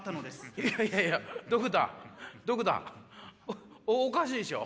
いやいやいやドクターおかしいでしょう。